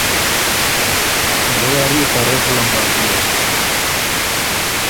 دۀ وار يې ته رټ لمبر بیوک۔